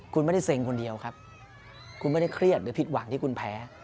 คุณไม่ได้เซ็งคนเดียวครับคุณไม่ได้เครียดหรือผิดหวังที่คุณแพ้